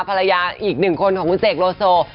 ภรรยาอีกหนึ่งคนของคุณเศกโลโซ